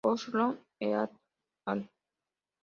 Ohlson "et al.